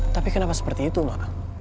tapi kenapa seperti itu loh